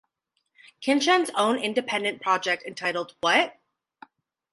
Kinchen's own independent project entitled What?